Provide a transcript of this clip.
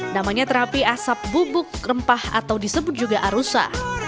namanya terapi asap bubuk rempah atau disebut juga arusa